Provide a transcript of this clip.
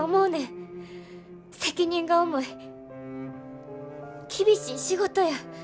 責任が重い厳しい仕事や。